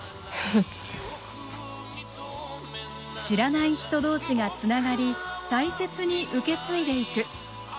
知らない人同士がつながり大切に受け継いでいく。